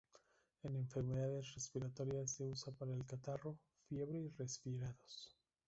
En enfermedades respiratorias se usa para el catarro, fiebre y resfriados.